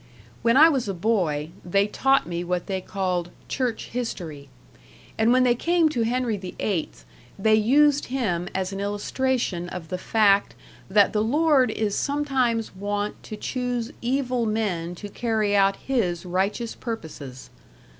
When I was a boy, they taught me what they called "church history", and when they came to Henry the Eighth they used him as an illustration of the fact that the Lord is sometimes wont to choose evil men to carry out His righteous purposes.